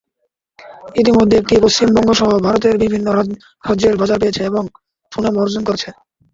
ইতিমধ্যে এটি পশ্চিমবঙ্গসহ ভারতের বিভিন্ন রাজ্যে বাজার পেয়েছে এবং সুনামও অর্জন করেছে।